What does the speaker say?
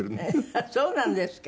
あっそうなんですか。